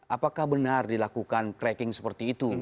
apakah benar dilakukan tracking seperti itu